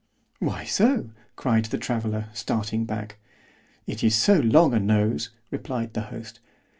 ——Why so? cried the traveller, starting back.—It is so long a nose, replied the host.